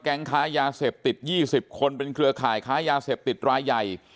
ค้ายาเสพติด๒๐คนเป็นเครือข่ายค้ายาเสพติดรายใหญ่